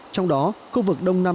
trong đó khu vực đông nam